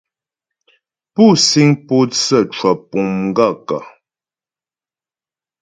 Pú síŋ pótsə́ cwə̀pùŋ m gaə̂ kə́ ?